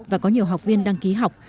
và có nhiều học viên đăng ký học